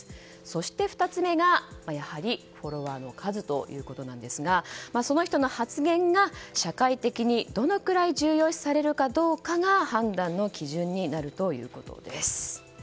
そして２つ目がフォロワーの数ということですがその人の発言が社会的にどのくらい重要視されるかどうかが判断の基準になるということです。